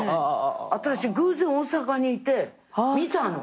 私偶然大阪にいて見たの。